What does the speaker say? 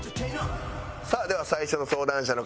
さあでは最初の相談者の方です。